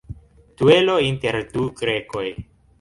Duelo inter du grekoj.